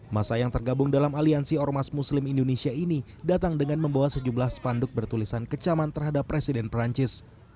masa yang tergabung dalam aliansi ormas muslim indonesia ini datang dengan membawa sejumlah spanduk bertulisan kecaman terhadap presiden perancis